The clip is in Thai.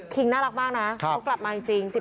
น่ารักมากนะเขากลับมาจริง